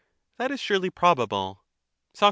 That is surely probable. Soc.